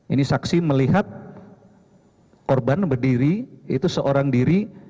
ini saksi melihat korban berdiri itu seorang diri